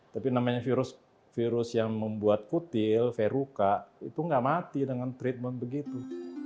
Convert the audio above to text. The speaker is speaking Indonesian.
tapi namanya virus yang membuat kutil verruca itu gak mati dengan treatment begitu